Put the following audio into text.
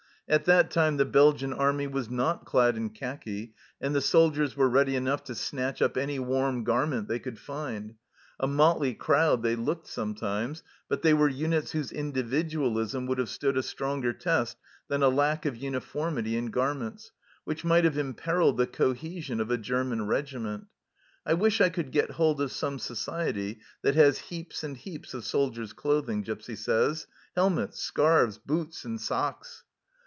At that time the Belgian Army was not clad in khaki, and the soldiers were ready enough to snatch up any warm garment they could find ; a motley crowd they looked sometimes, but they were units whose individualism would have stood a stronger test than a lack of uniformity in garments, which might have imperilled the cohesion of a German regiment. " I wish I could get hold of some society that has heaps and heaps of soldiers' clothing," Gipsy says. " Helmets, scarves, boots, and socks."